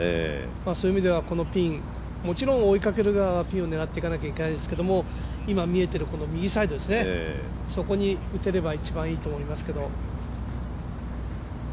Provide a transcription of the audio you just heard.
そういう意味ではこのピン、もちろん追いかける側はピンを狙っていかないといけないんですけど右サイドですね、そこに打てれば一番いいと思いますけど。